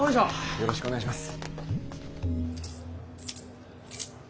よろしくお願いします。